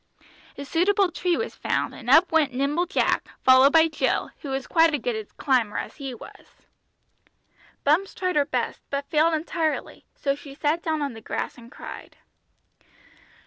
A suitable tree was found, and up went nimble Jack, followed by Jill, who was quite as good a climber as he was. Bumps tried her best, but failed entirely, so she sat down on the grass and cried.